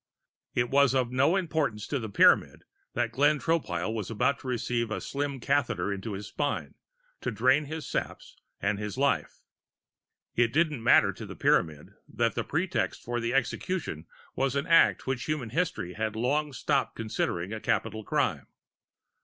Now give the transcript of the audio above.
It was of no importance to the Pyramid that Glenn Tropile was about to receive a slim catheter into his spine, to drain his saps and his life. It didn't matter to the Pyramid that the pretext for the execution was an act which human history had long stopped considering a capital crime.